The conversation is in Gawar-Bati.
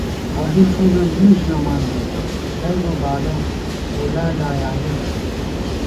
ابُوالفضل نِݭ ژَمان ژِی نَئیبہ بالہ مُلا لایعنی بِسہ